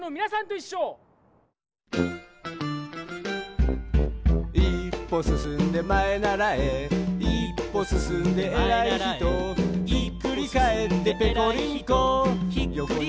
「いっぽすすんでまえならえ」「いっぽすすんでえらいひと」「ひっくりかえってぺこり